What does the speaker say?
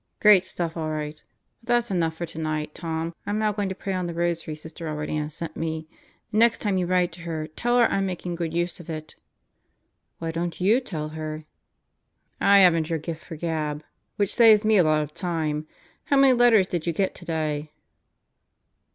"Great stuff all right. But that's enough for tonight, Tom. I'm now going to pray on the rosary Sister Robert Ann sent me. Next time you write to her tell her I'm making good use of it." "Why don't you tell her?" "I haven't your gift of gab. Which saves me a lot of time ... how many letters did you get today?"